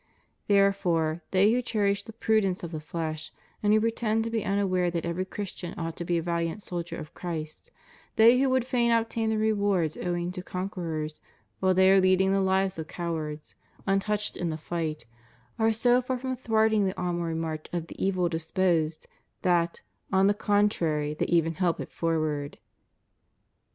Therefore they who cherish the prudence of the flesh and who pretend to be unaware that every Christian ought to be a vahant soldier of Christ; they who would fain obtain the rewards owing to conquerors, while they are leading the lives of cowards, untouched in the fight, are so far from thwarting the onward march of the evil disposed that, on the contrary, they even help it forward.